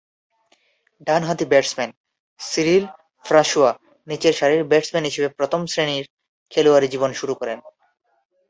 ডানহাতি batsman Cyril François নিচেরসারির batsman হিসেবে প্রথম-শ্রেণীর খেলোয়াড়ী জীবন শুরু করেন।